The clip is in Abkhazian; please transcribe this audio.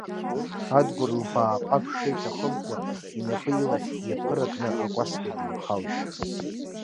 Адгәыр лбааҟа аԥшра иҭахымкәа, инапы илахь иаԥыракны акәасқьа дыҩхалеит.